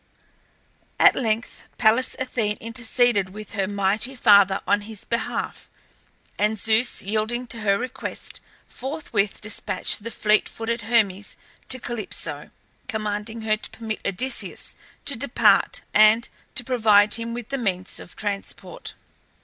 At length Pallas Athene interceded with her mighty father on his behalf, and Zeus, yielding to her request, forthwith despatched the fleet footed Hermes to Calypso, commanding her to permit Odysseus to depart and to provide him with the means of transport.